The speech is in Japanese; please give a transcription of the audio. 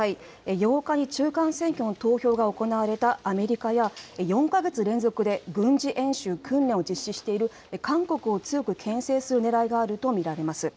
８日に中間選挙の投票が行われたアメリカや４か月連続で軍事演習、訓練を実施している韓国を強くけん制するねらいがあると見られます。